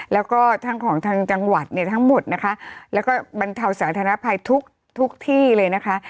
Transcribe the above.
แล้วก็ทั้งของทางจังหวัดเนี่ยทั้งหมดนะคะแล้วก็บรรเทาสาธารณภัยทุกทุกที่เลยนะคะ